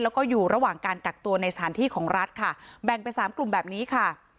แล้วก็อยู่ระหว่างการกักตัวในสถานที่ของรัฐค่ะแบ่งเป็นสามกลุ่มแบบนี้ค่ะ